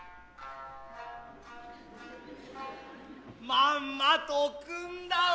まんまと汲んだわ。